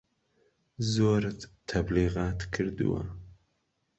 زۆرت تەبلیغات کردوە